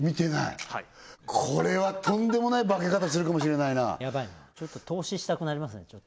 はいこれはとんでもない化け方するかもしれないなヤバいなちょっと投資したくなりますね